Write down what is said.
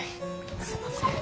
すみません。